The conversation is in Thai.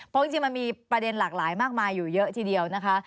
เพราะจริงมันมีประเด็นหลากหลายมากมายอยู่เยอะทีเดียวนะคะ